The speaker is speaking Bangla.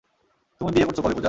তুমি বিয়ে করছো কবে, পূজা?